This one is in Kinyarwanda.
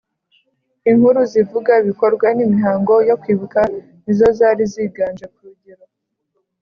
Inkuru zivuga ibikorwa n imihango yo kwibuka ni zo zari ziganje ku rugero